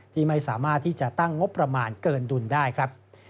ที่ไม่สามารถที่จะตั้งงบประมาณเกินดุลได้ครับ